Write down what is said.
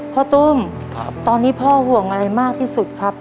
ตุ้มตอนนี้พ่อห่วงอะไรมากที่สุดครับ